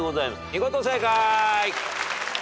見事正解！